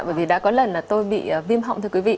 bởi vì đã có lần là tôi bị viêm họng thưa quý vị